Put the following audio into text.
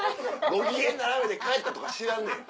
ご機嫌斜めで帰ったとか知らんねん。